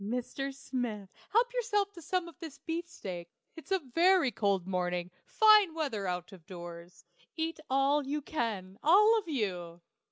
Mr. Smith, help yourself to some of the beefsteak. It's a very cold morning fine weather out of doors. Eat all you can, all of you.